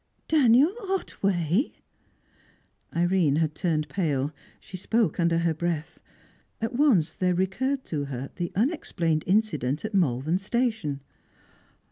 Daniel Otway?" Irene had turned pale; she spoke under her breath. At once there recurred to her the unexplained incident at Malvern Station.